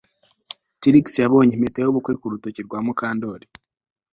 Trix yabonye impeta yubukwe ku rutoki rwa Mukandoli